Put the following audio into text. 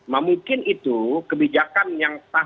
mungkin itu kebijakan yang terlalu banyak